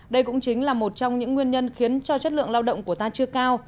đây cũng chính là một trong những nguyên nhân khiến cho chất lượng lao động của ta chưa cao